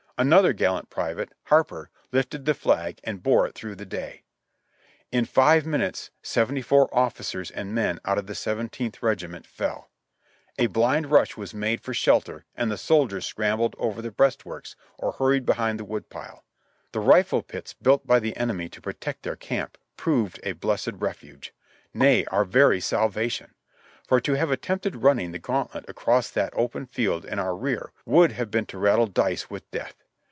Another gallant private, Harper, lifted the flag and bore it through the day. In five minutes sevent3' four officers and men out of the Seven teenth Regiment fell. A blind rush was made for shelter, and the soldiers scrambled over the breastworks or hurried behind the v. ood pile. The rifle pits, built by the enemy to protect their camp, proved a blessed refuge — nay, our very salvation ; for to have attempted running the gauntlet across that open field in our rear would have been to rattle dice with death.